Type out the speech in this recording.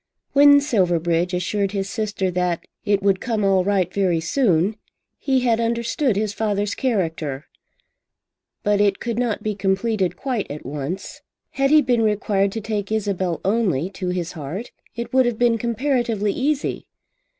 When Silverbridge assured his sister that "it would come all right very soon," he had understood his father's character. But it could not be completed quite at once. Had he been required to take Isabel only to his heart, it would have been comparatively easy.